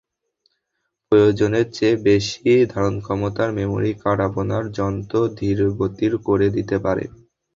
প্রয়োজনের চেয়ে বেশি ধারণক্ষমতার মেমোরি কার্ড আপনার যন্ত্র ধীরগতির করে দিতে পারে।